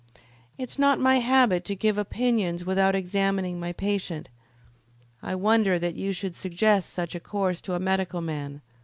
"It is not my habit to give opinions without examining my patient. I wonder that you should suggest such a course to a medical man.